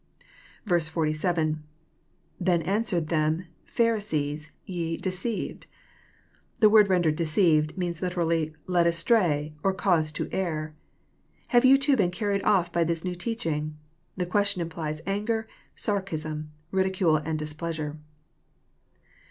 47. — IThen answered iJi€m.,.Phari8ees,.,ye...deceivedf] The word rendered " deceived " means, literally, " led astray, or caused to err." Have you too been carried off by this new teaching? The question implies anger, sarcasm, ridicule, and displeasure.